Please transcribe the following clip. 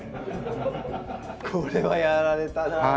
これはやられたな。